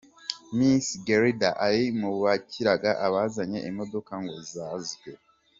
Miss Guelda ari mu bakiraga abazanye imodoka ngo zozwe.